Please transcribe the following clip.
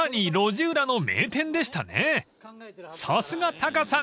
［さすがタカさん］